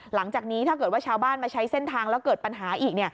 หลังจากนี้ถ้าเกิดว่าชาวบ้านมาใช้เส้นทางแล้วเกิดปัญหาอีก